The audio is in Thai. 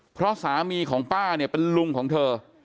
เพราะสามีของป้าเนี่ยเป็นลุงของเธอ